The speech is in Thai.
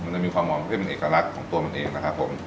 จะมีความหอมที่เป็นเอกลักษณ์ของตัวมันเองนะครับผม